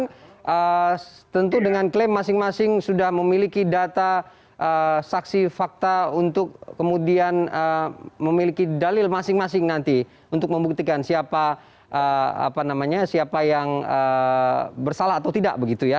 dan tentu dengan klaim masing masing sudah memiliki data saksi fakta untuk kemudian memiliki dalil masing masing nanti untuk membuktikan siapa yang bersalah atau tidak begitu ya